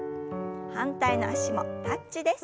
反対の脚もタッチです。